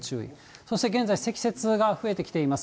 そして現在、積雪が増えてきています。